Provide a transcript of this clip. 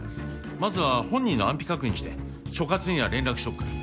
まずは本人の安否確認して所轄には連絡しとくから。